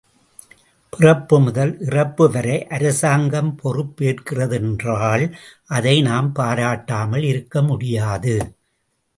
பிறப்பு முதல் இறப்பு வரை அரசாங்கம் பொறுப்பேற்கிறது என்றால் அதை நாம் பாராட்டாமல் இருக்க முடியாது.